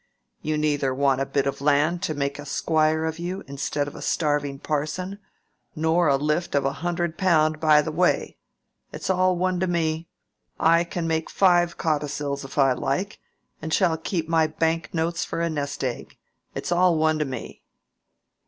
"You neither want a bit of land to make a squire of you instead of a starving parson, nor a lift of a hundred pound by the way. It's all one to me. I can make five codicils if I like, and I shall keep my bank notes for a nest egg. It's all one to me."